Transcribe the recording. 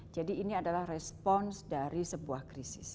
jadi ini adalah respon dari sebuah krisis